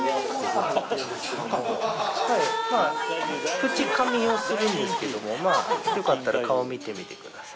口かみをするんですけどもよかったら顔見てみてください。